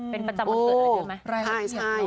เป็นประจำวันเกิดอะไรด้วยมั้ยรายละเอียดเหรอใช่